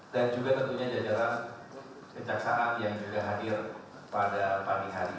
dan juga tentunya jajaran kejaksaan yang juga hadir pada pagi hari ini